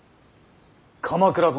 鎌倉殿。